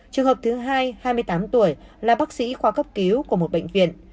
trường hợp thứ hai hai mươi tám tuổi là bác sĩ khoa cấp cứu của một bệnh viện